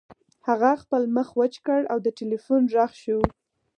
هغه خپل مخ وچ کړ او د ټیلیفون غږ شو